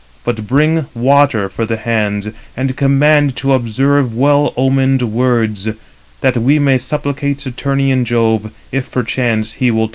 But bring water for the hands, and command to observe well omened words, 297 that we may supplicate Saturnian Jove, if perchance he will take pity."